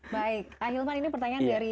baik akhil umar ini pertanyaan dari